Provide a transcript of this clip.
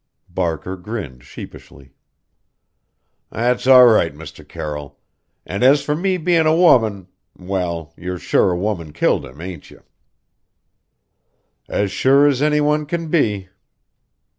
Barker grinned sheepishly. "That's all right, Mr. Carroll. And as for me bein' a woman well, you're sure a woman killed him, ain't you?" "As sure as any one can be.